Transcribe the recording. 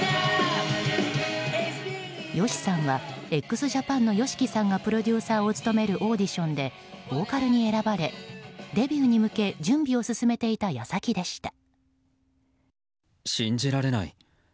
ＹＯＳＨＩさんはＸＪＡＰＡＮのＹＯＳＨＩＫＩさんがプロデューサーを務めるオーディションでボーカルに選ばれデビューに向け準備を進めていた矢先でした。